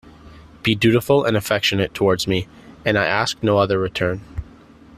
Be dutiful and affectionate towards me, and I ask no other return.